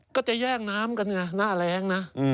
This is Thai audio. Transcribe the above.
ก็จะแย่งน้ำกันไงหน้าแรงนะ